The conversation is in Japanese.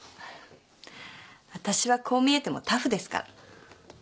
わたしはこう見えてもタフですから。